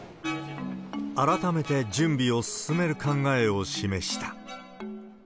改めて準備を進める考えを示した。